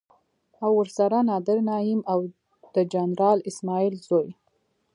او ورسره نادر نعيم او د جنرال اسماعيل زوی.